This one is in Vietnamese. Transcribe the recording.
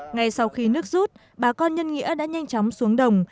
ngay sau khi nước rút bà con nhân nghĩa đã nhanh chóng xuống đồng